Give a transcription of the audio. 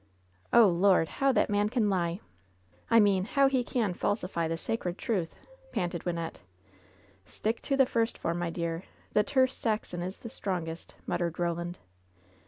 "Oh, Lord ! how that man can lie ! I mean, how he can falsify the sacred truth !" panted Wynnette. "Stick to the first form, my dear ! The terse Saxon is the strongest," muttered Roland.